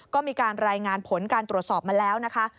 ก็มีการรายงานผลการตรวจสอบมาแล้วนะคะ